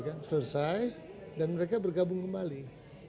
iya kan selesai dan mereka bergabung kembali